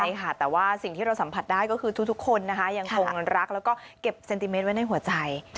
ใช่ค่ะแต่ว่าสิ่งที่เราสัมผัสได้ก็คือทุกคนนะคะยังคงรักแล้วก็เก็บเซนติเมตรไว้ในหัวใจ